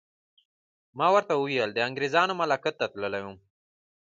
ما ورته وویل: د انګریزانو ملاقات ته تللی وم.